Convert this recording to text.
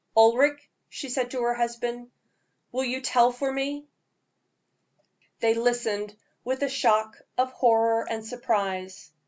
"Ulric," she said to her husband, "will you tell for me?" They listened with a shock of horror and surprise.